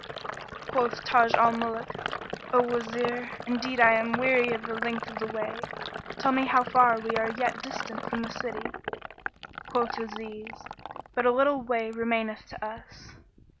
Quoth Taj al Muluk, "O Wazir, indeed I am weary of the length of the way. Tell me how far we are yet distant from the city." Quoth Aziz, "But a little way remaineth to us."